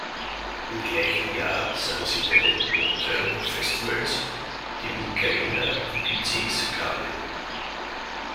Im gleichen Jahr sang sie bei den "Montreal Festivals" die Micaëla in Bizets Carmen.